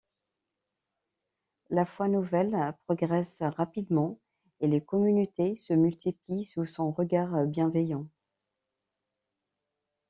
La foi nouvelle progresse rapidement et les communautés se multiplient sous son regard bienveillant.